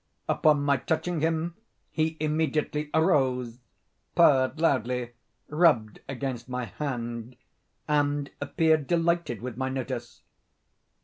Upon my touching him, he immediately arose, purred loudly, rubbed against my hand, and appeared delighted with my notice.